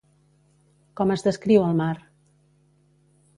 Com es descriu el mar?